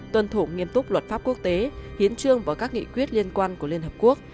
tuân thủ nghiêm túc luật pháp quốc tế hiến trương và các nghị quyết liên quan của liên hợp quốc